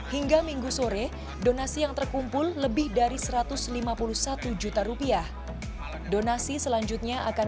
hingga minggu sore donasi yang terkumpul lebih dari satu ratus lima puluh satu juta rupiah donasi selanjutnya akan